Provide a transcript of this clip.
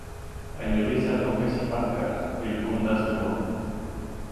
Elle le laissa donc assis par terre et le gronda seulement.